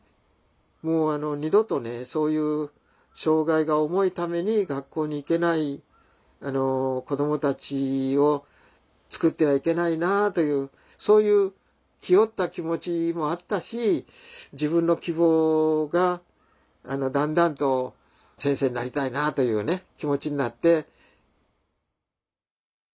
もう二度とねそういう障害が重いために学校に行けない子どもたちをつくってはいけないなあというそういう気負った気持ちもあったし自分の希望がだんだんと先生になりたいなあというね気持ちになって。